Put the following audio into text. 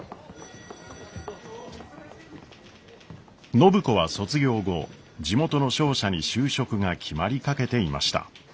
暢子は卒業後地元の商社に就職が決まりかけていました。